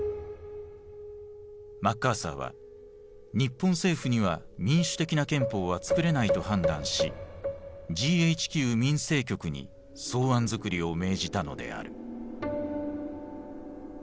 マッカーサーは日本政府には民主的な憲法はつくれないと判断しＧＨＱ民生局に草案づくりを命じたのである。